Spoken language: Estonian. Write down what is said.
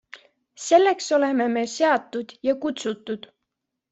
Selleks oleme me seatud ja kutsutud.